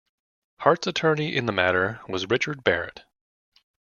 Hart's attorney in the matter was Richard Barrett.